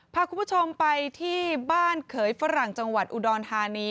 พาคุณผู้ชมไปที่บ้านเขยฝรั่งจังหวัดอุดรธานี